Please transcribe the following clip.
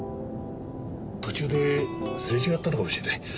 途中ですれ違ったのかもしれない。